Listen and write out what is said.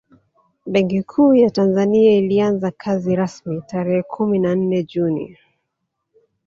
Benki Kuu ya Tanzania ilianza kazi rasmi tarehe kumi na nne Juni